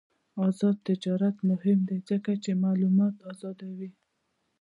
آزاد تجارت مهم دی ځکه چې معلومات آزادوي.